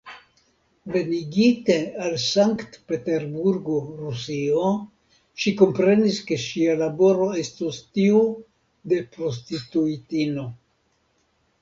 Venigite al Sankt-Peterburgo, Rusio, ŝi komprenis, ke ŝia laboro estos tiu de prostituitino.